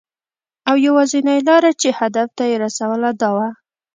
او یوازېنۍ لاره چې دې هدف ته یې رسوله، دا وه .